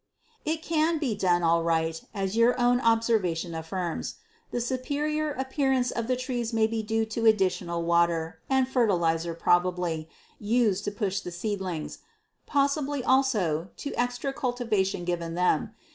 It can be done all right, as your own observation affirms. The superior appearance of the trees may be due to the additional water, and fertilizer probably, used to push the seedlings; possibly also to extra cultivation given them.